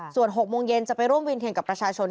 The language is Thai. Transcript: ส่วน๖โมงเย็นจะไปร่วมวินเทียนกับประชาชน